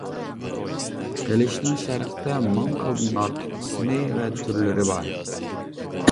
قىلىچنىڭ شەرقتە مىڭ خىلدىن ئارتۇق ئىسمى ۋە تۈرلىرى بار.